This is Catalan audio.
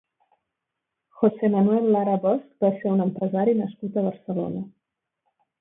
José Manuel Lara Bosch va ser un empresari nascut a Barcelona.